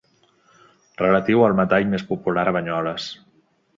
Relatiu al metall més popular a Banyoles.